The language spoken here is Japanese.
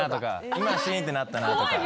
今シーンってなったなとか。